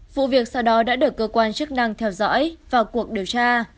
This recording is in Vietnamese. vụ việc sau đó đã được cơ quan chức năng theo dõi vào cuộc điều tra